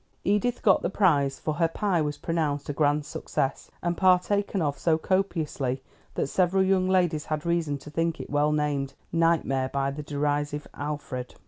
Edith got the prize, for her pie was pronounced a grand success, and partaken of so copiously that several young ladies had reason to think it well named "Nightmare" by the derisive Alfred.